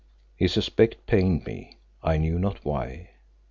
His aspect pained me, I knew not why.